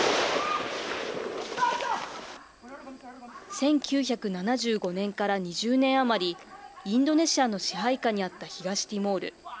１９７５年から２０年余り、インドネシアの支配下にあった東ティモール。